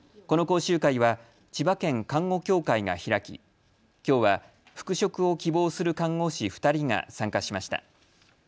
この講習会は千葉県看護協会が開ききょうは復職を希望する看護師２人が参加しました。